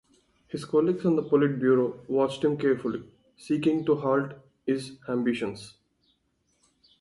His colleagues on the Politburo watched him carefully, seeking to halt his ambitions.